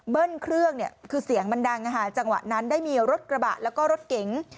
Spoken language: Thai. เครื่องคือเสียงมันดังจังหวะนั้นได้มีรถกระบะแล้วก็รถเก๋ง